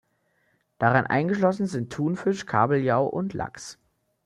Darin eingeschlossen sind Thunfisch, Kabeljau und Lachs.